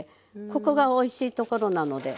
ここがおいしいところなので。